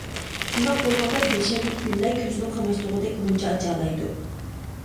شۇنداق بولغاندا، گۈلشەندىكى گۈللەر كۆزنى قاماشتۇرغۇدەك غۇنچە ئاچالايدۇ.